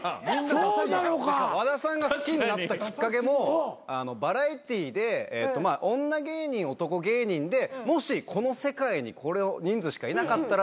和田さんが好きになったきっかけもバラエティーで女芸人男芸人でもしこの世界にこの人数しかいなかったらで。